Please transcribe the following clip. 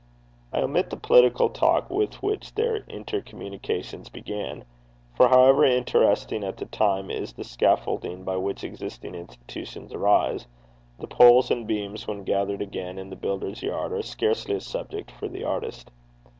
I omit the political talk with which their intercommunications began; for however interesting at the time is the scaffolding by which existing institutions arise, the poles and beams when gathered again in the builder's yard are scarcely a subject for the artist.